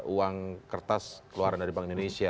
uang kertas keluaran dari bank indonesia